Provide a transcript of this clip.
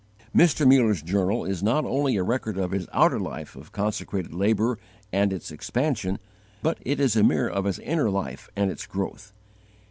Mr. Muller's journal is not only a record of his outer life of consecrated labour and its expansion, but it is a mirror of his inner life and its growth.